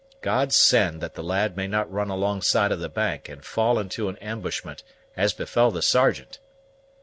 God send that the lad may not run alongside of the bank, and fall into an ambushment, as befell the Sergeant!"